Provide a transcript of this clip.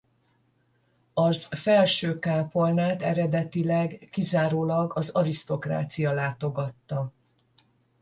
Az felső kápolnát eredetileg kizárólag az arisztokrácia látogatta.